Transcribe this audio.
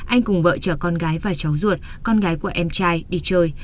anh cùng vợ chở con gái và cháu ruột con gái của em trai đi chơi